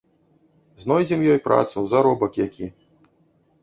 Знойдзем ёй працу, заробак які.